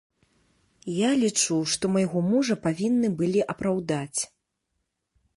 Я лічу, што майго мужа павінны былі апраўдаць.